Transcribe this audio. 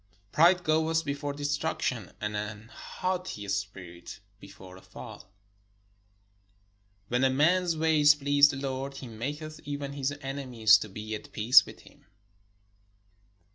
Pride goeth before destruction, and an haughty spirit before a fall. When a man's ways please the Lord, he maketh even his enemies to be at peace with him.